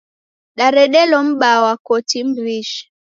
Daredelo m'baa wa koti m'wishi.